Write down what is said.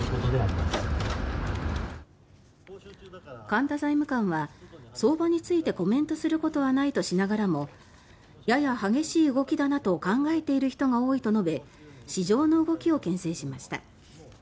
神田財務官は相場についてコメントすることはないとしながらもやや激しい動きだなと考えている人が多いと述べ市場の動きをけん制しました。